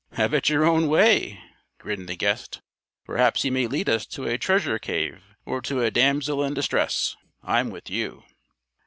"Have it your own way," grinned the guest. "Perhaps he may lead us to a treasure cave or to a damsel in distress. I'm with you."